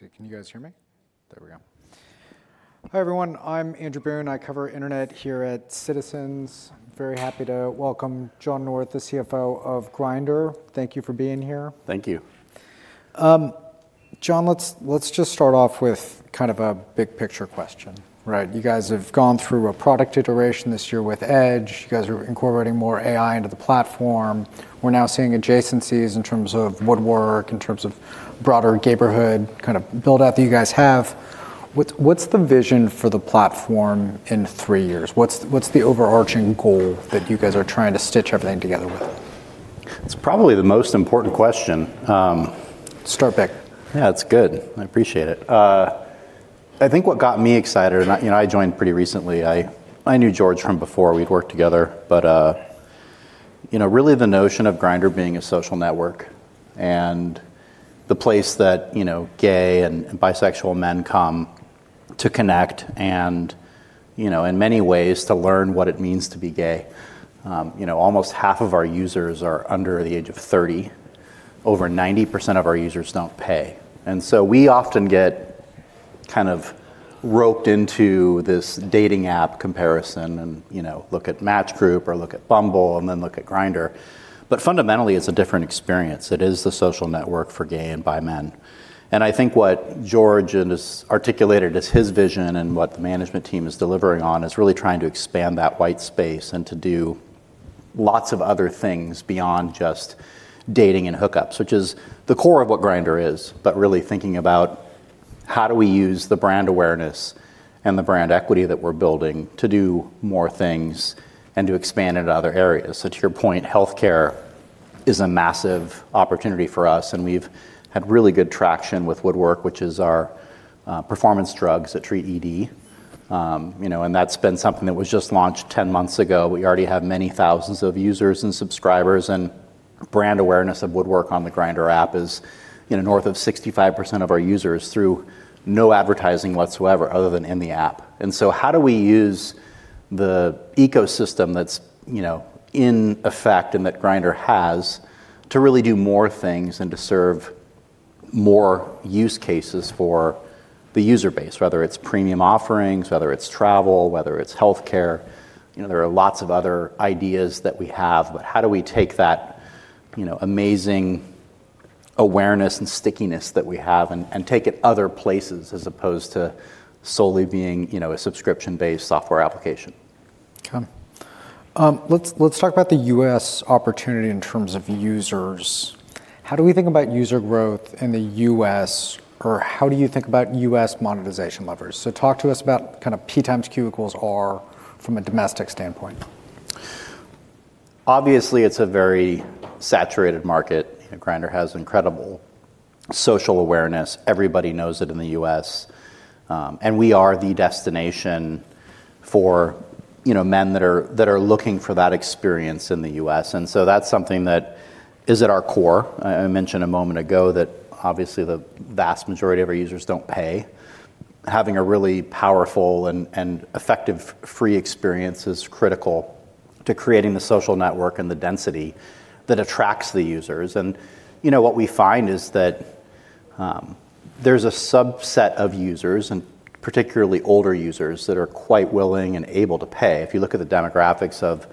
Can you guys hear me? There we go. Hi, everyone. I'm Andrew Boone. I cover internet here at Citizens. Very happy to welcome John North, the CFO of Grindr. Thank you for being here. Thank you. John, let's just start off with kind of a big picture question, right? You guys have gone through a product iteration this year with EDGE. You guys are incorporating more AI into the platform. We're now seeing adjacencies in terms of Woodwork, in terms of broader Gayborhood, kind of build out that you guys have. What's the vision for the platform in three years? What's the overarching goal that you guys are trying to stitch everything together with? It's probably the most important question. Start big. Yeah, it's good. I appreciate it. I think what got me excited, and I, you know, I joined pretty recently. I knew George from before. We'd worked together. You know, really the notion of Grindr being a social network and the place that, you know, gay and bisexual men come to connect and, you know, in many ways to learn what it means to be gay. You know, almost half of our users are under the age of 30. Over 90% of our users don't pay. We often get kind of roped into this dating app comparison and, you know, look at Match Group or look at Bumble and then look at Grindr. Fundamentally, it's a different experience. It is the social network for gay and bi men. I think what George has articulated as his vision and what the management team is delivering on is really trying to expand that white space and to do lots of other things beyond just dating and hookups, which is the core of what Grindr is, but really thinking about how do we use the brand awareness and the brand equity that we're building to do more things and to expand into other areas. To your point, healthcare is a massive opportunity for us, and we've had really good traction with Woodwork, which is our performance drugs that treat ED. You know, that's been something that was just launched 10 months ago. We already have many thousands of users and subscribers and brand awareness of Woodwork on the Grindr app is, you know, north of 65% of our users through no advertising whatsoever other than in the app. How do we use the ecosystem that's, you know, in effect and that Grindr has to really do more things and to serve more use cases for the user base, whether it's premium offerings, whether it's travel, whether it's healthcare. You know, there are lots of other ideas that we have, but how do we take that, you know, amazing awareness and stickiness that we have and take it other places as opposed to solely being, you know, a subscription-based software application. Let's talk about the U.S. opportunity in terms of users. How do we think about user growth in the U.S., or how do you think about U.S. monetization levers? Talk to us about kind of P times Q equals R from a domestic standpoint. Obviously, it's a very saturated market. You know, Grindr has incredible social awareness. Everybody knows it in the U.S. We are the destination for, you know, men that are looking for that experience in the U.S., so that's something that is at our core. I mentioned a moment ago that obviously the vast majority of our users don't pay. Having a really powerful and effective free experience is critical to creating the social network and the density that attracts the users. You know, what we find is that there's a subset of users, and particularly older users, that are quite willing and able to pay. If you look at the demographics of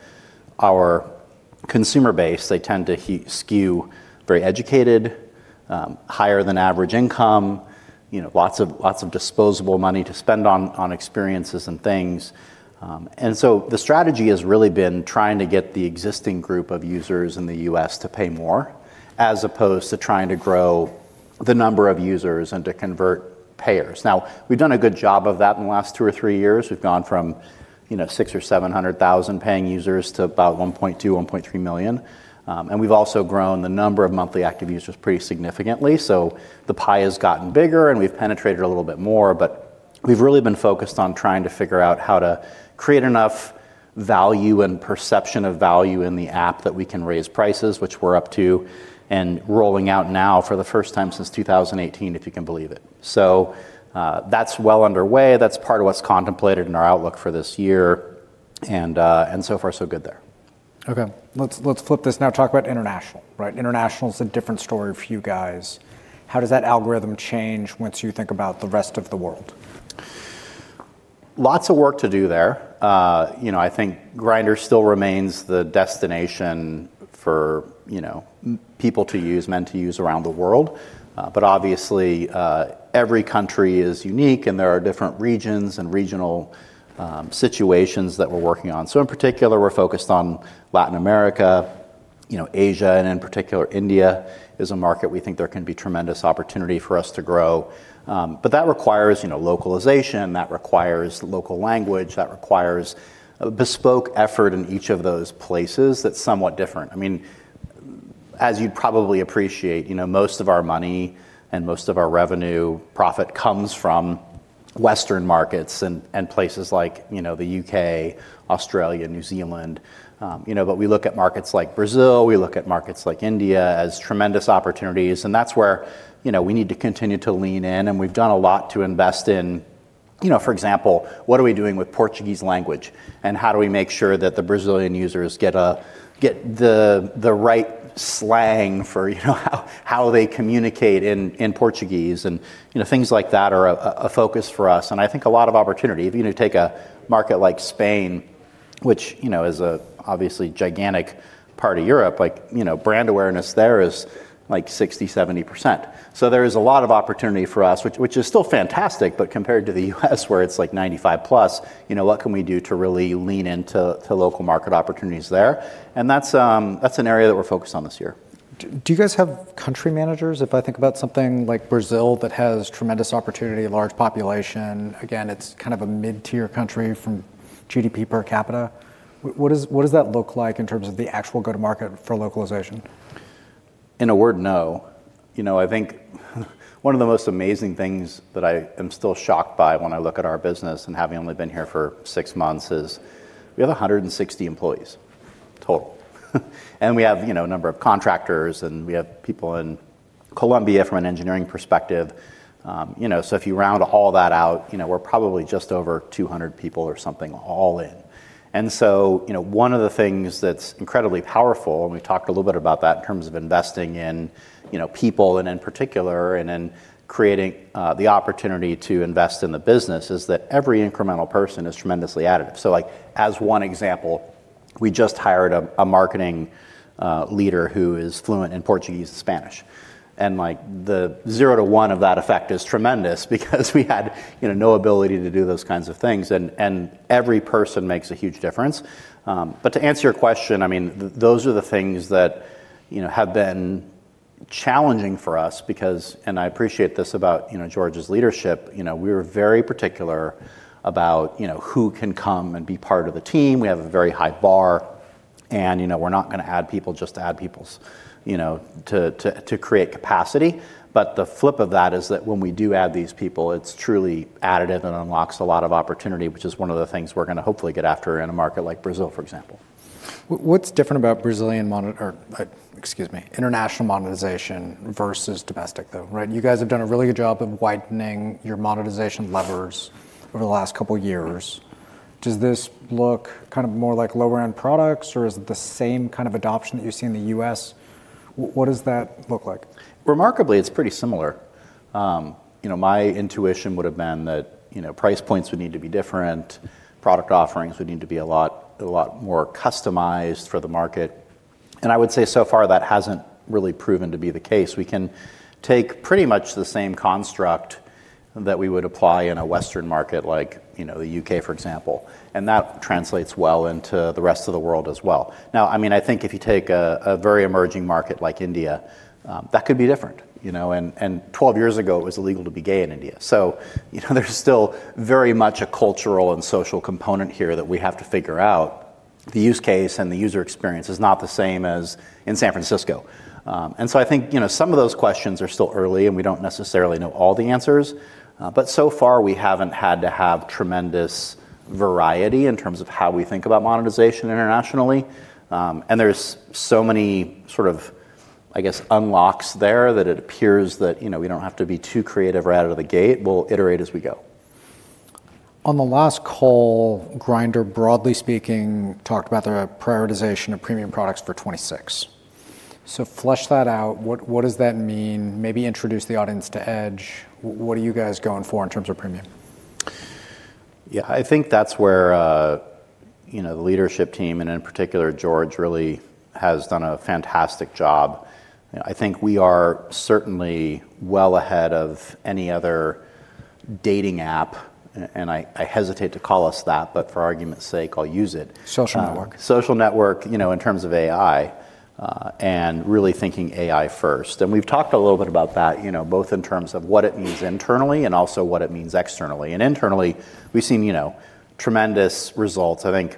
our consumer base, they tend to skew very educated, higher than average income, you know, lots of, lots of disposable money to spend on experiences and things. The strategy has really been trying to get the existing group of users in the U.S. to pay more as opposed to trying to grow the number of users and to convert payers. Now, we've done a good job of that in the last two or three years. We've gone from, you know, 600,000 or 700,000 paying users to about $1.2 million-$1.3 million. We've also grown the number of monthly active users pretty significantly. The pie has gotten bigger, and we've penetrated a little bit more, but we've really been focused on trying to figure out how to create enough value and perception of value in the app that we can raise prices, which we're up to and rolling out now for the first time since 2018, if you can believe it. That's well underway. That's part of what's contemplated in our outlook for this year and so far, so good there. Okay. Let's flip this now. Talk about international, right? International is a different story for you guys. How does that algorithm change once you think about the rest of the world? Lots of work to do there. you know, I think Grindr still remains the destination for, you know, people to use, men to use around the world. Obviously, every country is unique, and there are different regions and regional situations that we're working on. In particular, we're focused on Latin America, you know, Asia, and in particular, India is a market we think there can be tremendous opportunity for us to grow. That requires, you know, localization. That requires local language. That requires a bespoke effort in each of those places that's somewhat different. I mean, as you probably appreciate, you know, most of our money and most of our revenue profit comes from Western markets and places like, you know, the U.K., Australia, New Zealand. You know, we look at markets like Brazil, we look at markets like India as tremendous opportunities. That's where, you know, we need to continue to lean in, and we've done a lot to invest in. You know, for example, what are we doing with Portuguese language? How do we make sure that the Brazilian users get the right slang for, you know, how they communicate in Portuguese? You know, things like that are a focus for us, and I think a lot of opportunity. If you take a market like Spain, which, you know, is a obviously gigantic part of Europe, like, you know, brand awareness there is, like, 60%, 70%. There is a lot of opportunity for us, which is still fantastic. Compared to the U.S. where it's, like, 95%+, you know, what can we do to really lean into local market opportunities there? That's, that's an area that we're focused on this year. Do you guys have country managers? If I think about something like Brazil that has tremendous opportunity, large population. Again, it's kind of a mid-tier country from GDP per capita. What does that look like in terms of the actual go-to-market for localization? In a word, no. You know, I think one of the most amazing things that I am still shocked by when I look at our business and having only been here for six months is we have 160 employees total. We have, you know, a number of contractors, and we have people in Colombia from an engineering perspective, you know. If you round all that out, you know, we're probably just over 200 people or something all in. You know, one of the things that's incredibly powerful, and we've talked a little bit about that in terms of investing in, you know, people and in particular and in creating, the opportunity to invest in the business, is that every incremental person is tremendously additive. Like, as one example, we just hired a marketing leader who is fluent in Portuguese and Spanish, and, like, the zero to one of that effect is tremendous because we had, you know, no ability to do those kinds of things. And every person makes a huge difference. But to answer your question, I mean, those are the things that, you know, have been challenging for us because and I appreciate this about, you know, George's leadership. You know, we're very particular about, you know, who can come and be part of the team. We have a very high bar and, you know, we're not gonna add people just to add people you know, to create capacity. The flip of that is that when we do add these people, it's truly additive and unlocks a lot of opportunity, which is one of the things we're gonna hopefully get after in a market like Brazil, for example. What's different about Brazilian monetization or, excuse me, international monetization versus domestic though, right? You guys have done a really good job of widening your monetization levers over the last couple years. Does this look kind of more like lower-end products, or is it the same kind of adoption that you see in the U.S.? What does that look like? Remarkably, it's pretty similar. You know, my intuition would have been that, you know, price points would need to be different. Product offerings would need to be a lot more customized for the market. I would say so far that hasn't really proven to be the case. We can take pretty much the same construct that we would apply in a Western market like, you know, the U.K., for example, and that translates well into the rest of the world as well. I mean, I think if you take a very emerging market like India, that could be different, you know. 12 years ago, it was illegal to be gay in India. You know, there's still very much a cultural and social component here that we have to figure out. The use case and the user experience is not the same as in San Francisco. I think, you know, some of those questions are still early, and we don't necessarily know all the answers. So far, we haven't had to have tremendous variety in terms of how we think about monetization internationally. There's so many sort of, I guess, unlocks there that it appears that, you know, we don't have to be too creative right out of the gate. We'll iterate as we go. On the last call, Grindr, broadly speaking, talked about their prioritization of premium products for 2026. Flush that out. What does that mean? Maybe introduce the audience to EDGE. What are you guys going for in terms of premium? Yeah. I think that's where, you know, the leadership team, and in particular George, really has done a fantastic job. I think we are certainly well ahead of any other dating app, and I hesitate to call us that, but for argument's sake, I'll use it. Social network Social network, you know, in terms of AI, really thinking AI first. We've talked a little bit about that, you know, both in terms of what it means internally and also what it means externally. Internally, we've seen, you know, tremendous results. I think,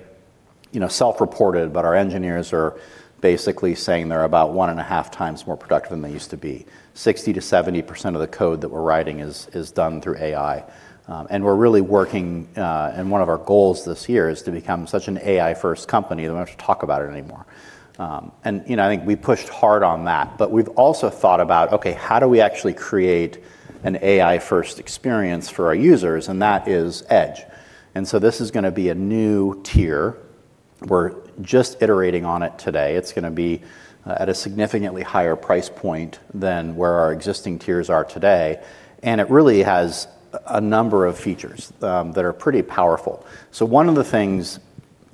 you know, self-reported, but our engineers are basically saying they're about 1.5x more productive than they used to be. 60%-70% of the code that we're writing is done through AI. We're really working, and one of our goals this year is to become such an AI-first company that we don't have to talk about it anymore. You know, I think we pushed hard on that, but we've also thought about, okay, how do we actually create an AI-first experience for our users? That is EDGE. This is gonna be a new tier. We're just iterating on it today. It's gonna be at a significantly higher price point than where our existing tiers are today, and it really has a number of features that are pretty powerful. One of the things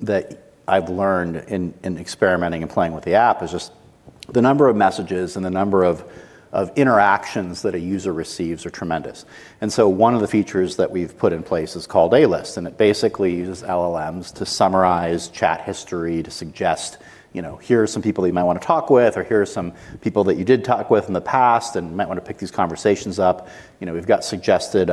that I've learned in experimenting and playing with the app is just the number of messages and the number of interactions that a user receives are tremendous. One of the features that we've put in place is called A-List, and it basically uses LLMs to summarize chat history to suggest, you know, here are some people you might wanna talk with, or here are some people that you did talk with in the past and might wanna pick these conversations up. You know, we've got suggested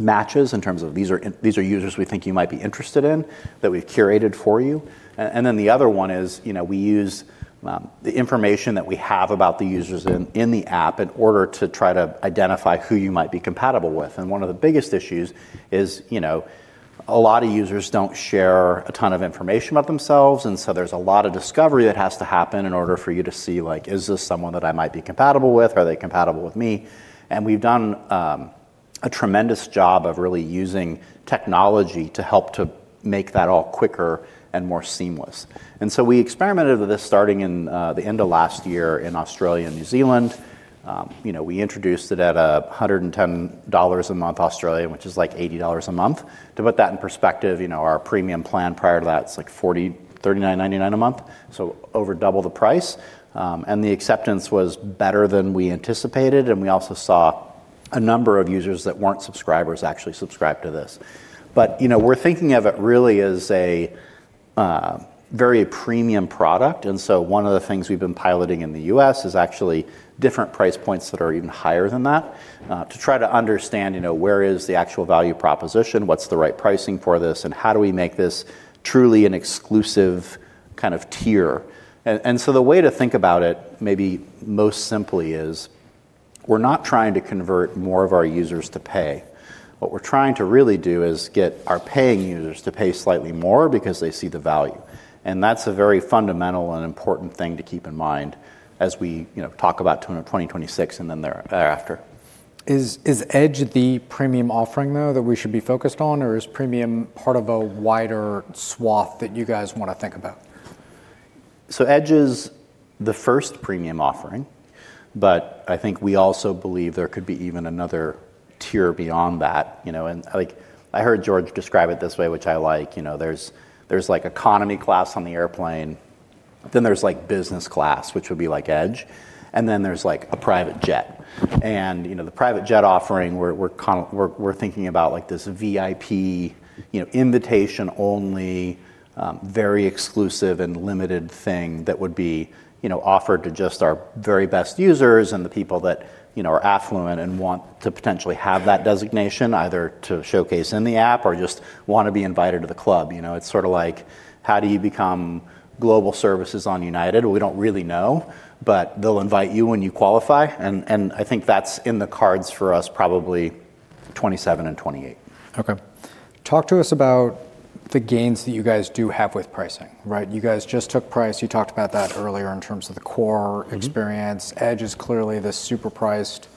matches in terms of these are users we think you might be interested in that we've curated for you. The other one is, you know, we use the information that we have about the users in the app in order to try to identify who you might be compatible with. One of the biggest issues is, you know. A lot of users don't share a ton of information about themselves, so there's a lot of discovery that has to happen in order for you to see, like, is this someone that I might be compatible with? Are they compatible with me? We've done a tremendous job of really using technology to help to make that all quicker and more seamless. We experimented with this starting in the end of last year in Australia and New Zealand. You know, we introduced it at 110 dollars a month Australian, which is like $80 a month. To put that in perspective, you know, our premium plan prior to that, it's like $39.99 a month, so over double the price. The acceptance was better than we anticipated, and we also saw a number of users that weren't subscribers actually subscribe to this. You know, we're thinking of it really as a very premium product. One of the things we've been piloting in the U.S. is actually different price points that are even higher than that to try to understand, you know, where is the actual value proposition? What's the right pricing for this, how do we make this truly an exclusive kind of tier? The way to think about it maybe most simply is we're not trying to convert more of our users to pay. What we're trying to really do is get our paying users to pay slightly more because they see the value. That's a very fundamental and important thing to keep in mind as we, you know, talk about 2026 thereafter. Is EDGE the premium offering, though, that we should be focused on, or is premium part of a wider swath that you guys wanna think about? EDGE is the first premium offering, but I think we also believe there could be even another tier beyond that. You know, and like I heard George describe it this way, which I like, you know, there's like economy class on the airplane, then there's like business class, which would be like EDGE, and then there's like a private jet. You know, the private jet offering, we're thinking about like this VIP, you know, invitation-only, very exclusive and limited thing that would be, you know, offered to just our very best users and the people that, you know, are affluent and want to potentially have that designation, either to showcase in the app or just wanna be invited to the club. You know, it's sorta like how do you become Global Services on United? We don't really know, but they'll invite you when you qualify, and I think that's in the cards for us probably 2027 and 2028. Talk to us about the gains that you guys do have with pricing, right? You guys just took price. You talked about that earlier in terms of the core experience. EDGE is clearly the super priced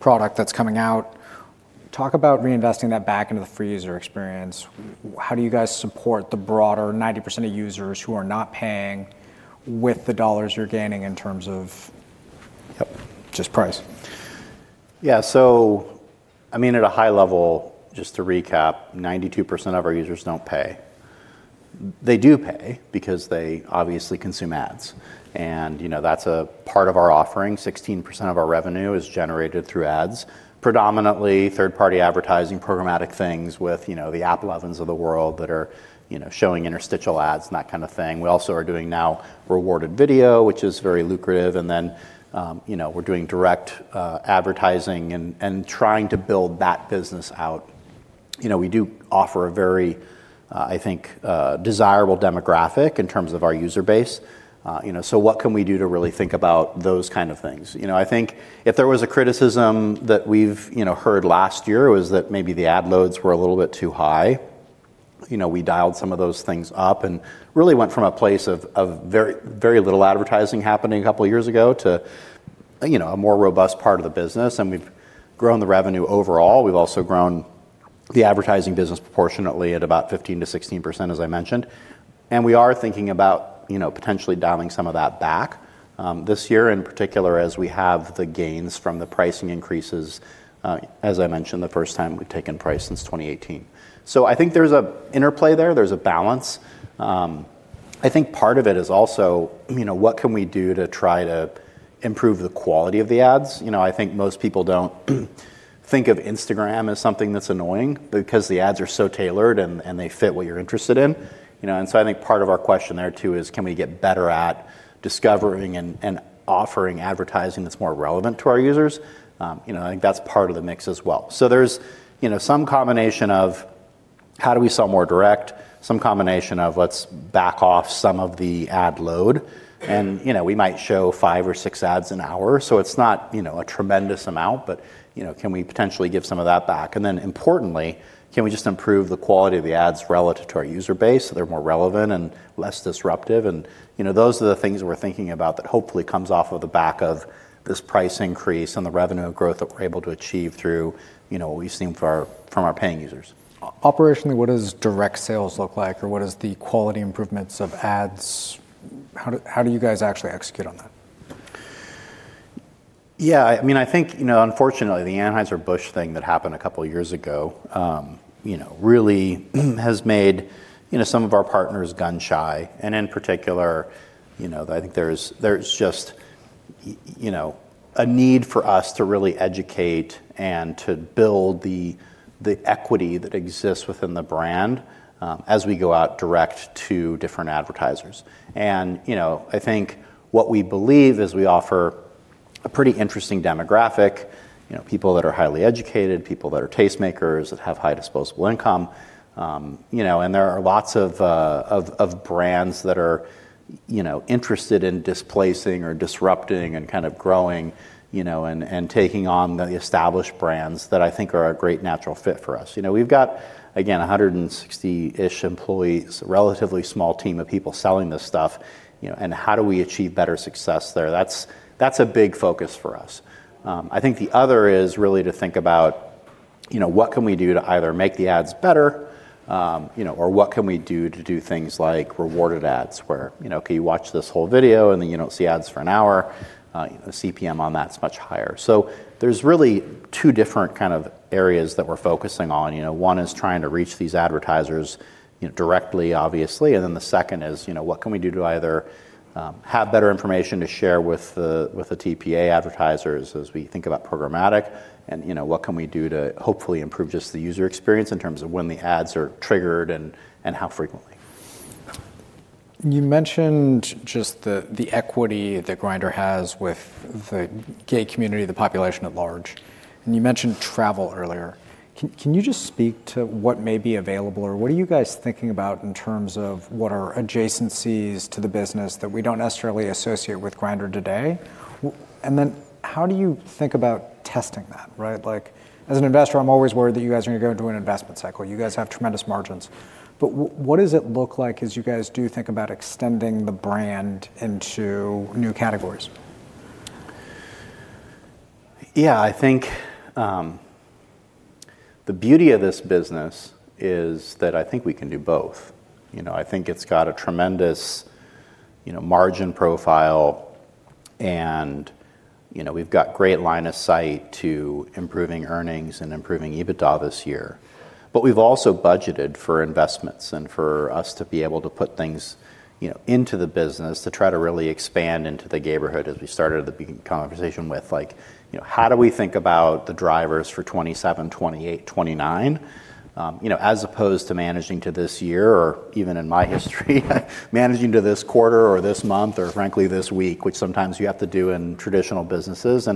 product that's coming out. Talk about reinvesting that back into the free user experience. How do you guys support the broader 90% of users who are not paying with the dollars you're gaining? In terms of just price? I mean, at a high level, just to recap, 92% of our users don't pay. They do pay because they obviously consume ads, and, you know, that's a part of our offering. 16% of our revenue is generated through ads, predominantly third-party advertising, programmatic things with, you know, the AppLovin of the world that are, you know, showing interstitial ads and that kind of thing. We also are doing now rewarded video, which is very lucrative, and then, you know, we're doing direct advertising and trying to build that business out. You know, we do offer a very, I think, desirable demographic in terms of our user base. What can we do to really think about those kind of things? You know, I think if there was a criticism that we've, you know, heard last year was that maybe the ad loads were a little bit too high. We dialed some of those things up and really went from a place of very, very little advertising happening a couple years ago to, you know, a more robust part of the business. We've grown the revenue overall. We've also grown the advertising business proportionately at about 15%-16%, as I mentioned. We are thinking about, you know, potentially dialing some of that back this year in particular as we have the gains from the pricing increases, as I mentioned, the first time we've taken price since 2018. I think there's a interplay there. There's a balance. I think part of it is also, you know, what can we do to try to improve the quality of the ads? You know, I think most people don't think of Instagram as something that's annoying because the ads are so tailored and they fit what you're interested in, you know? I think part of our question there too is can we get better at discovering and offering advertising that's more relevant to our users? You know, I think that's part of the mix as well. There's, you know, some combination of how do we sell more direct, some combination of let's back off some of the ad load and, you know, we might show five or six ads an hour, so it's not, you know, a tremendous amount, but, you know, can we potentially give some of that back? Importantly, can we just improve the quality of the ads relative to our user base so they're more relevant and less disruptive? You know, those are the things we're thinking about that hopefully comes off of the back of this price increase and the revenue growth that we're able to achieve through, you know, what we've seen for our, from our paying users. Operationally, what does direct sales look like, or what is the quality improvements of ads? How do you guys actually execute on that? Yeah, I mean, I think, you know, unfortunately, the Anheuser-Busch thing that happened a couple years ago, you know, really has made, you know, some of our partners gun-shy, and in particular, you know, I think there's just you know, a need for us to really educate and to build the equity that exists within the brand, as we go out direct to different advertisers. You know, I think what we believe is we offer a pretty interesting demographic, you know, people that are highly educated, people that are tastemakers, that have high disposable income. You know, and there are lots of brands that are interested in displacing or disrupting and kind of growing, you know, and taking on the established brands that I think are a great natural fit for us. You know, we've got, again, 160-ish employees, a relatively small team of people selling this stuff, you know. How do we achieve better success there? That's, that's a big focus for us. I think the other is really to think about, you know, what can we do to either make the ads better, you know, or what can we do to do things like rewarded ads where, you know, okay, watch this whole video, and then you don't see ads for an hour. The CPM on that's much higher. There's really two different kind of areas that we're focusing on. You know, one is trying to reach these advertisers, you know, directly, obviously. The second is, you know, what can we do to either have better information to share with the TPA advertisers as we think about programmatic and, you know, what can we do to hopefully improve just the user experience in terms of when the ads are triggered and how frequently. You mentioned just the equity that Grindr has with the gay community, the population at large, and you mentioned travel earlier. Can you just speak to what may be available, or what are you guys thinking about in terms of what are adjacencies to the business that we don't necessarily associate with Grindr today? Then how do you think about testing that, right? Like, as an investor, I'm always worried that you guys are gonna go into an investment cycle. You guys have tremendous margins. What does it look like as you guys do think about extending the brand into new categories? I think, the beauty of this business is that I think we can do both. You know, I think it's got a tremendous, you know, margin profile and, you know, we've got great line of sight to improving earnings and improving EBITDA this year. We've also budgeted for investments and for us to be able to put things, you know, into the business to try to really expand into the Gayborhood as we started the beginning conversation with. You know, how do we think about the drivers for 2027, 2028, 2029, you know, as opposed to managing to this year or even in my history, managing to this quarter or this month, or frankly, this week, which sometimes you have to do in traditional businesses.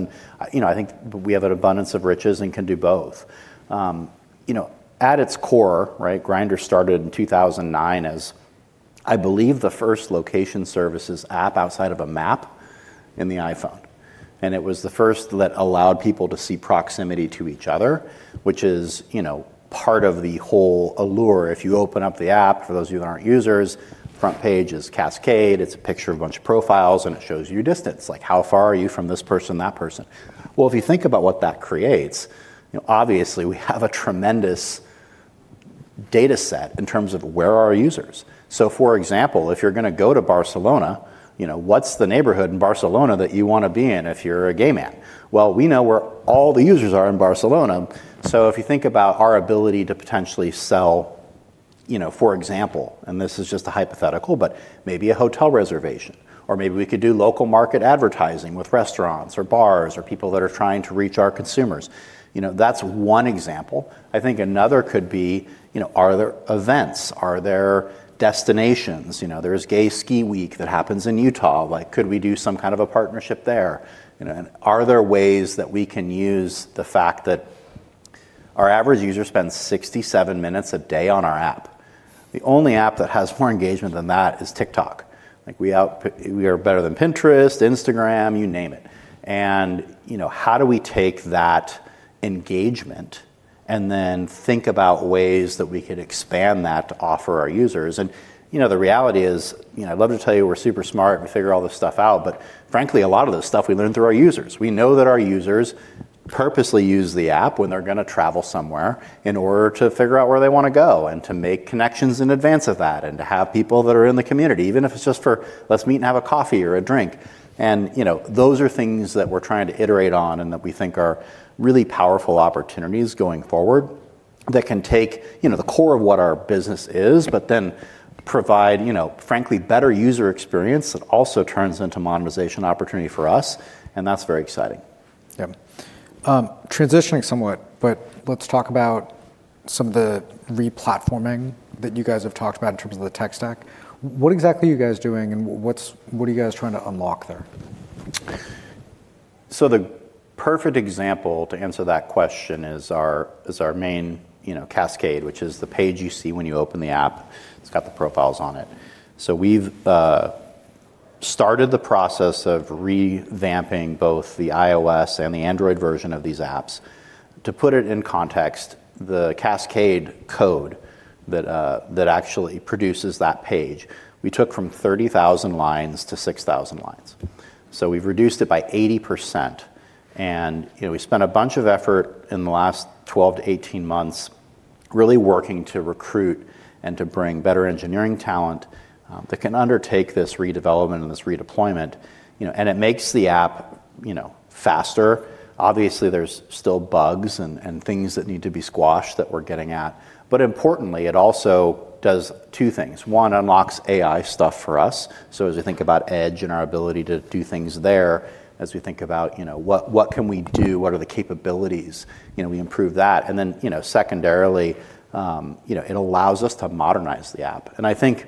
You know, I think we have an abundance of riches and can do both. You know, at its core, right, Grindr started in 2009 as, I believe, the first location services app outside of a map in the iPhone. It was the first that allowed people to see proximity to each other, which is, you know, part of the whole allure. If you open up the app, for those of you who aren't users, front page is Cascade. It's a picture of a bunch of profiles, and it shows you your distance, like how far are you from this person, that person. If you think about what that creates, you know, obviously, we have a tremendous dataset in terms of where are our users. For example, if you're gonna go to Barcelona, you know, what's the neighborhood in Barcelona that you wanna be in if you're a gay man? We know where all the users are in Barcelona, so if you think about our ability to potentially sell, you know, for example, and this is just a hypothetical, but maybe a hotel reservation or maybe we could do local market advertising with restaurants or bars or people that are trying to reach our consumers. You know, that's one example. I think another could be, you know, are there events? Are there destinations? You know, there's gay ski week that happens in Utah. Like, could we do some kind of a partnership there? You know, are there ways that we can use the fact that our average user spends 67 minutes a day on our app? The only app that has more engagement than that is TikTok. Like we are better than Pinterest, Instagram, you name it. You know, how do we take that engagement and then think about ways that we could expand that to offer our users? You know, the reality is, you know, I'd love to tell you we're super smart and figure all this stuff out, but frankly, a lot of this stuff we learn through our users. We know that our users purposely use the app when they're gonna travel somewhere in order to figure out where they wanna go and to make connections in advance of that and to have people that are in the community, even if it's just for, "Let's meet and have a coffee or a drink." You know, those are things that we're trying to iterate on and that we think are really powerful opportunities going forward that can take, you know, the core of what our business is, but then provide, you know, frankly, better user experience that also turns into monetization opportunity for us, and that's very exciting. Yeah. Transitioning somewhat, let's talk about some of the re-platforming that you guys have talked about in terms of the tech stack. What exactly are you guys doing? What are you guys trying to unlock there? The perfect example to answer that question is our, is our main, you know, Cascade, which is the page you see when you open the app. It's got the profiles on it. We've started the process of revamping both the iOS and the Android version of these apps. To put it in context, the Cascade code that actually produces that page, we took from 30,000 lines to 6,000 lines. We've reduced it by 80%. You know, we spent a bunch of effort in the last 12-18 months really working to recruit and to bring better engineering talent that can undertake this redevelopment and this redeployment, you know, and it makes the app, you know, faster. Obviously, there's still bugs and things that need to be squashed that we're getting at. Importantly, it also does two things. One, unlocks AI stuff for us. As we think about EDGE and our ability to do things there, as we think about, you know, what can we do? What are the capabilities? You know, we improve that. Then, you know, secondarily, you know, it allows us to modernize the app. I think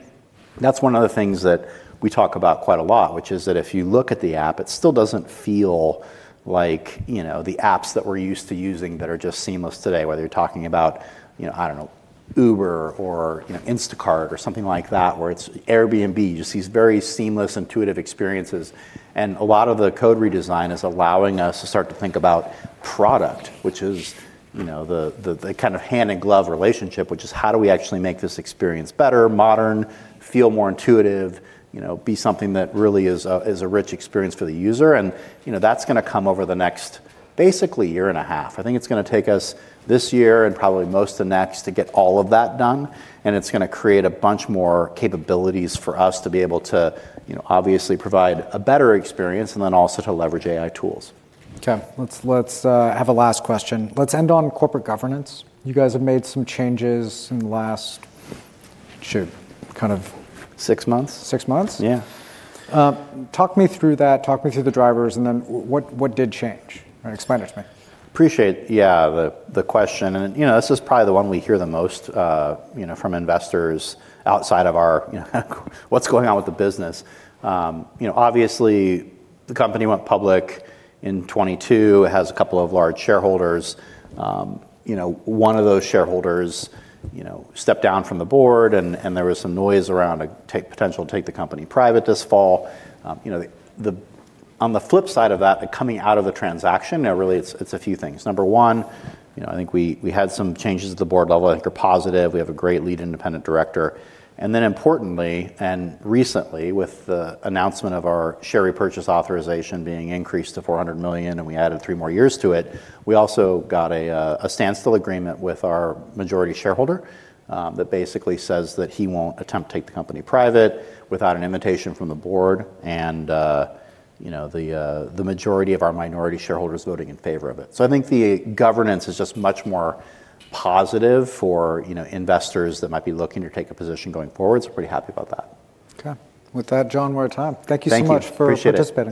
that's one of the things that we talk about quite a lot, which is that if you look at the app, it still doesn't feel like, you know, the apps that we're used to using that are just seamless today, whether you're talking about, you know, I don't know Uber or, you know, Instacart or something like that. Airbnb. Just these very seamless, intuitive experiences. A lot of the code redesign is allowing us to start to think about product, which is, you know, the, the kind of hand-in-glove relationship. Which is how do we actually make this experience better, modern, feel more intuitive, you know, be something that really is a, is a rich experience for the user. You know, that's gonna come over the next, basically, year and a half. I think it's gonna take us this year and probably most of next to get all of that done, and it's gonna create a bunch more capabilities for us to be able to, you know, obviously provide a better experience and then also to leverage AI tools. Okay. Let's have a last question. Let's end on corporate governance. You guys have made some changes in the last, shoot, kind of six months? Six months. Yeah. Talk me through that. Talk me through the drivers and then what did change? Explain it to me. Appreciate, yeah, the question. You know, this is probably the one we hear the most, you know, from investors outside of our, you know, what's going on with the business. You know, obviously the company went public in 2022. It has a couple of large shareholders. You know, one of those shareholders, you know, stepped down from the board and there was some noise around potential to take the company private this fall. You know, the on the flip side of that, the coming out of the transaction, you know, really it's a few things. Number one, you know, I think we had some changes at the board level I think are positive. We have a great lead independent director. Importantly, and recently with the announcement of our share repurchase authorization being increased to $400 million, and we added three more years to it, we also got a standstill agreement with our majority shareholder that basically says that he won't attempt to take the company private without an invitation from the board and, you know, the majority of our minority shareholders voting in favor of it. I think the governance is just much more positive for, you know, investors that might be looking to take a position going forward, so pretty happy about that. With that, John, we're out of time. Thank you. Thank you so much. Appreciate it.